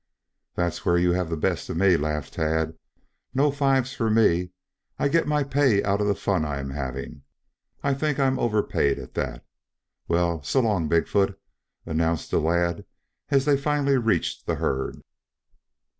"That's where you have the best of me," laughed Tad. "No fives for me. I get my pay out of the fun I am having. I think I am overpaid at that. Well, so long, Big foot," announced the lad as they finally reached the herd.